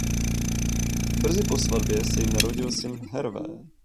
Brzy po svatbě se jim narodil syn Hervé.